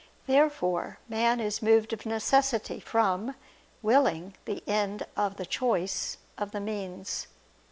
Therefore man is moved of necessity from (willing) the end of the choice (of the means).